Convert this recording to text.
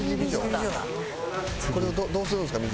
これをどうするんですか？